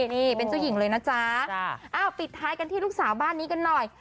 นี่เป็นเจ้าหญิงเลยนะจ๊ะปิดท้ายกันที่ลูกสาวบ้านนี้กันหน่อย